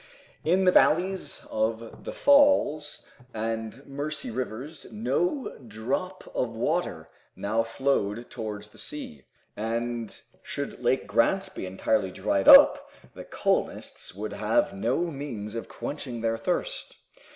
In the valleys of the Falls and Mercy rivers no drop of water now flowed towards the sea, and should Lake Grant be entirely dried up, the colonists would have no means of quenching their thirst.